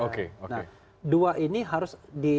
oke nah dua ini harus